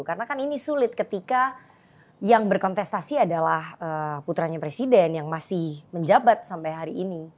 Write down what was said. karena kan ini sulit ketika yang berkontestasi adalah putranya presiden yang masih menjabat sampai hari ini